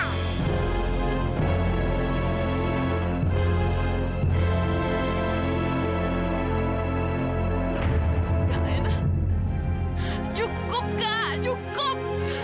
malena cukup kak cukup